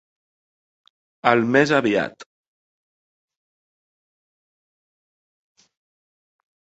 Al més aviat.